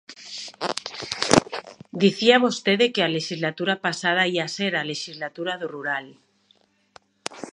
Dicía vostede que a lexislatura pasada ía ser a lexislatura do rural.